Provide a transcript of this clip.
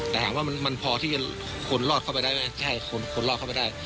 แต่ถามว่ามันพอที่จะคนรอดเข้าไปได้ไหมใช่คนรอดเข้าไปได้